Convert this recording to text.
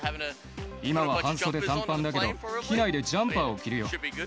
今は半袖短パンだけど、機内でジャンパーを着るよ。